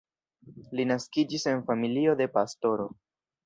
Li naskiĝis en familio de pastoro.